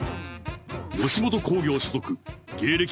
吉本興業所属芸歴